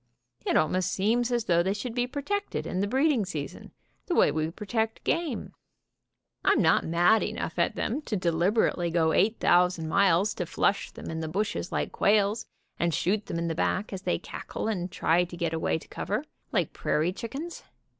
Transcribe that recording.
It almost seems as though they should be protected in the breeding season, the way we protect game. I am not mad enough at them to deliberately go eight thousand miles to flush them in the bushes like quails, and shoot them in the back as they cackle and try to get away to cover, like prairie chickens.